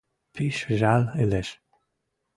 Пиш жӓл ылеш.